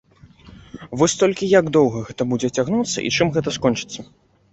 Вось толькі як доўга гэта будзе цягнуцца і чым гэта скончыцца?